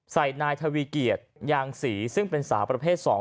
ใส่นายทวีเกียจยางศรีซึ่งเป็นสาวประเภท๒